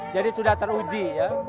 jadi sudah teruji ya